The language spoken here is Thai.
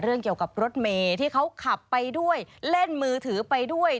เกี่ยวกับรถเมย์ที่เขาขับไปด้วยเล่นมือถือไปด้วย